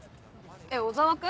えっ小沢君？